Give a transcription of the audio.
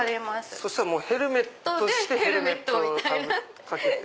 そしたらヘルメットしてヘルメット掛けて。